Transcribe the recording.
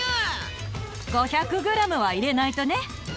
５００ｇは入れないとね。